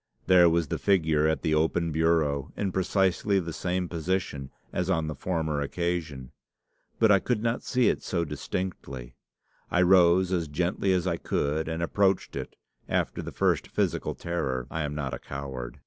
There was the figure at the open bureau, in precisely the same position as on the former occasion. But I could not see it so distinctly. I rose as gently as I could, and approached it, after the first physical terror. I am not a coward.